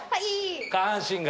下半身が。